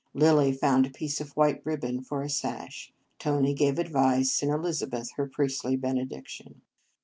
Lilly found a piece of white ribbon for a sash. Tony gave advice, and Elizabeth her priestly benediction.